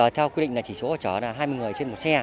theo quy định là chỉ số chở là hai mươi người trên một xe